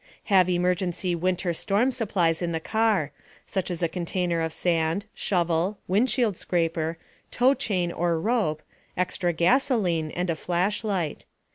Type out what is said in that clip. Have emergency "winter storm supplies" in the car, such as a container of sand, shovel, windshield scraper, tow chain or rope, extra gasoline, and a flashlight.